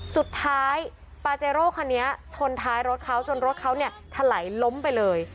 สุดท้ายปาเจโร่คันนี้ชนท้ายรถเขาจนรถเขาเนี่ยถลายล้มไปเลย